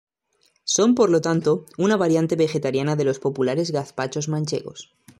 Son por lo tanto una variante vegetariana de los populares gazpachos manchegos.